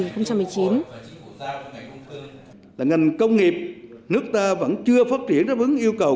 ngành công nghiệp nước ta vẫn chưa phát triển đáp ứng yêu cầu